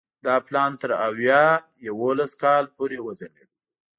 دا پلان تر ویا یوولس کال پورې وځنډېد.